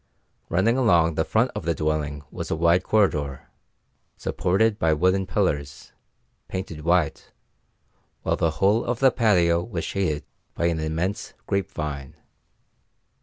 Running along the front of the dwelling was a wide corridor, supported by wooden pillars, painted white, while the whole of the patio was shaded by an immense grape vine.